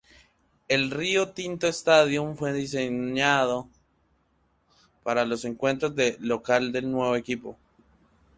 El Rio Tinto Stadium fue designado para los encuentros de local del nuevo equipo.